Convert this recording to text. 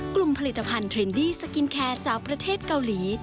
กลุ่มผลิตภัณฑ์เทรนดี้สกินแคร์จากประเทศเกาหลี